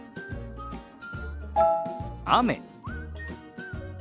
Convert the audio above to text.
雨。